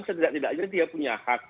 setidak tidaknya dia punya hak